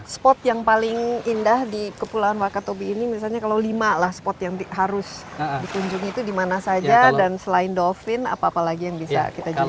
spot yang paling indah di kepulauan wakatobi ini misalnya kalau lima lah spot yang harus dikunjungi itu dimana saja dan selain dolphin apa apa lagi yang bisa kita jual